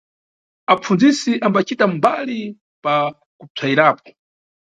Apfundzisi ambacita mbali pa kupsayirapo.